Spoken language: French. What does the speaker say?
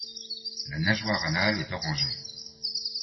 La nageoire anale est orangée.